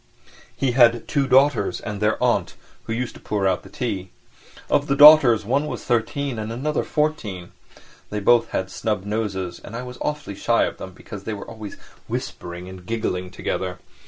He had two daughters and their aunt, who used to pour out the tea. Of the daughters one was thirteen and another fourteen, they both had snub noses, and I was awfully shy of them because they were always whispering and giggling together.